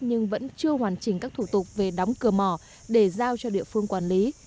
nhưng vẫn chưa hoàn chỉnh các thủ tục về đóng cửa mỏ để giao cho địa phương quản lý